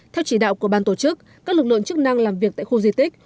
theo chỉ đạo của ban tổ chức các lực lượng chức năng làm việc tại khu di tích